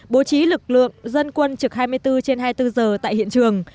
bố trí lực lượng dân quân trực hai mươi bốn trên hai mươi bốn giờ tại hiện trường